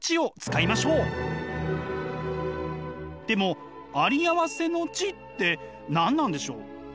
でもあり合わせの知って何なんでしょう？